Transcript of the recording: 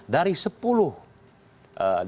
dari sepuluh dpc yang kita menangkan